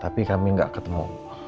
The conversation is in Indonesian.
tapi kami gak ketemu